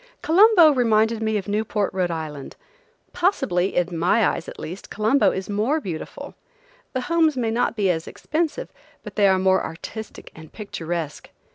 Colombo reminded me of Newport, R. I. Possibly–in my eyes, at least–Colombo is more beautiful. The homes may not be as expensive, but they are more artistic and picturesque.